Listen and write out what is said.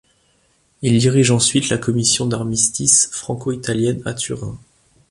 Il dirige ensuite la commission d'armistice franco-italienne à Turin.